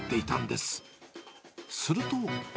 すると。